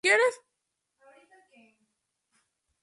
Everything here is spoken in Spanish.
Por su contenido en níquel puede ser usado como mena de este metal.